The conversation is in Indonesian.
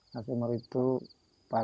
air sumur itu paling